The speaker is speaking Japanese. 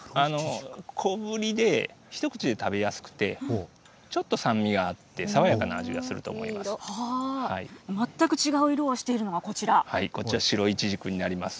小ぶりで一口で食べやすくて、ちょっと酸味があって、さわやかな全く違う色をしているのがここちら、白いちじくになります。